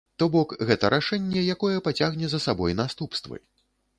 То бок гэта рашэнне, якое пацягне за сабой наступствы.